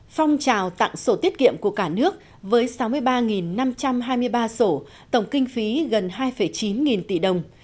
phong trào tặng sổ tiết kiệm của cả nước với sáu mươi ba năm trăm hai mươi ba sổ tổng kinh phí gần hai chín nghìn tỷ đồng